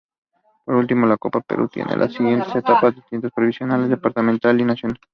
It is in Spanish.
Por último, la Copa Perú tiene las siguientes etapas: distrital, provincial, departamental, y nacional.